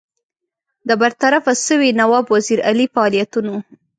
د برطرفه سوي نواب وزیر علي فعالیتونو.